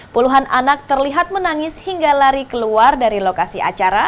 puluhan anak terlihat menangis hingga lari keluar dari lokasi acara